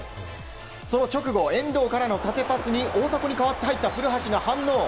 その直後、遠藤からの縦パスに大迫に代わって入った古橋が反応。